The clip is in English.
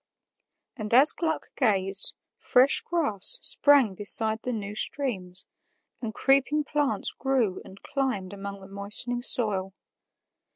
And as Gluck gazed, fresh grass sprang beside the new streams, and creeping plants grew and climbed among the moistening soil.